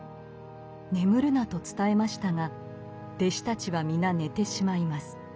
眠るなと伝えましたが弟子たちは皆寝てしまいます。